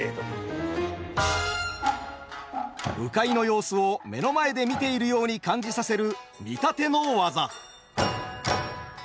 鵜飼の様子を目の前で見ているように感じさせる「見立て」の技。